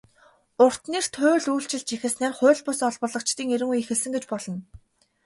"Урт нэртэй хууль" үйлчилж эхэлснээр хууль бус олборлогчдын эрин үе эхэлсэн гэж болно.